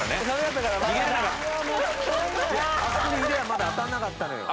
まだ当たらなかったのよ。